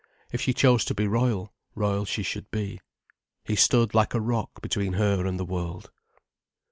If she chose to be royal, royal she should be. He stood like a rock between her and the world.